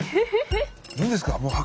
いいんですか？